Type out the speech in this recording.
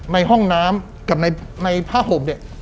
ในห้องน้ำกับในพระห่มนี้